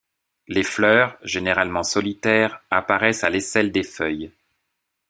Les fleurs, généralement solitaires, apparaissent à l'aisselle des feuilles.